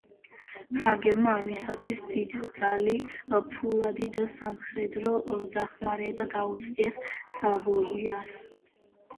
ფრანგებმა ამისათვის დიდძალი ფულადი და სამხედრო დახმარება გაუწიეს სავოიას.